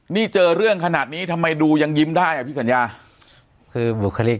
นี่เจอเรื่องขนาดนี้ทำไมดูยังยิ้มได้อ่ะพี่สัญญาคือบุคลิก